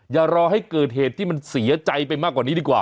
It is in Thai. อย่ารอให้เกิดเหตุที่มันเสียใจไปมากกว่านี้ดีกว่า